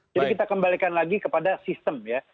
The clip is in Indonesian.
jadi kita kembalikan lagi kepada sistem ya